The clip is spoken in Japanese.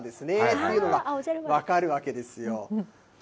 というのが分かるわけですよ。